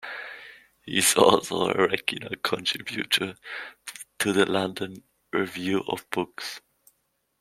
He is also a regular contributor to the "London Review of Books".